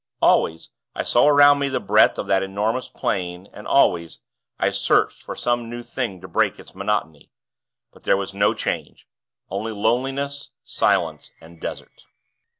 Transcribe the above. Always, I saw around me the breadth of that enormous plain; and, always, I searched for some new thing to break its monotony; but there was no change only loneliness, silence, and desert.